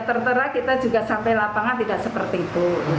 tertera kita juga sampai lapangan tidak seperti itu